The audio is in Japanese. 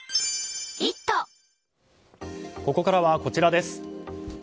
ここからは、こちらです。